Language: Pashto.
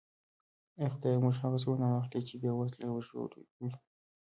اې خدایه موږ هغه زړونه واخله چې بې وزله ژړوي.